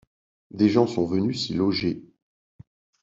Des gens sont venus s'y logés.